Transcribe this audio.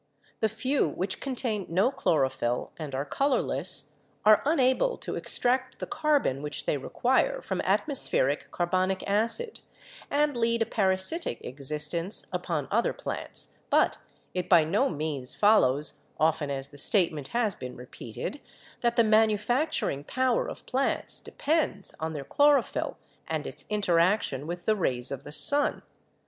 The few which contain no chlorophyll and are colorless are unable to extract the carbon which they require from atmospheric carbonic acid and lead a parasitic existence upon other plants, but it by no means follows, often as the statement has been repeated, that the manufacturing power of plants depends on their chloro phyll and its interaction with the rays of the sun.